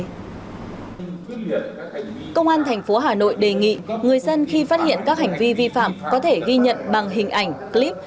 công an thành phố hà nội đề nghị người dân khi phát hiện các hành vi vi phạm có thể ghi nhận bằng hình ảnh clip